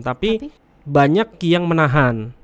tapi banyak yang menahan